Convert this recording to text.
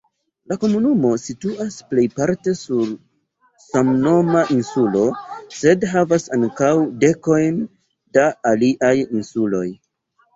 La komunumo situas plejparte sur samnoma insulo, sed havas ankaŭ dekojn da aliaj insuloj.